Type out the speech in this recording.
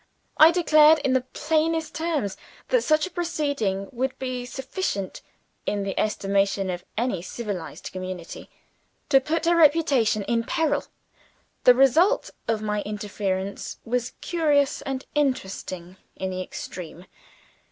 I declared, in the plainest terms, that such a proceeding would be sufficient, in the estimation of any civilized community, to put her reputation in peril. The result of my interference was curious and interesting in the extreme.